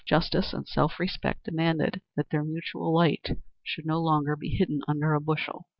Justice and self respect demanded that their mutual light should no longer be hid under a bushel.